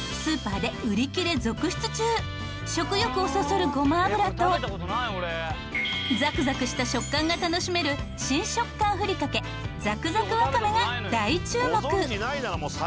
食欲をそそるごま油とザクザクした食感が楽しめる新食感ふりかけザクザクわかめが大注目！